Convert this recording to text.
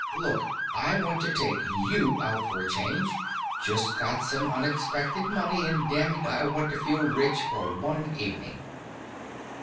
"Look, I want to take you out for a change. Just got some unexpected money and dammit, I want to feel rich for one evening."